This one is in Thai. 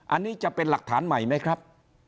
อันนี้จะเป็นหลักฐานใหม่ไหมครับ